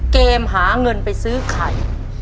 มหาเงินไปซื้อไข่